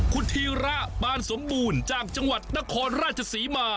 คุณธีระปานสมบูรณ์จากจังหวัดนครราชศรีมา